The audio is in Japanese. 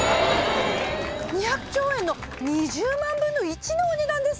２００兆円の２０万分の１のお値段です！